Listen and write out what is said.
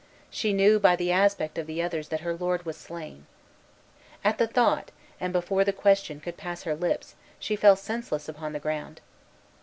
She knew by the aspect of the others that her lord was slain. At the thought, and before the question could pass her lips, she fell senseless upon the ground.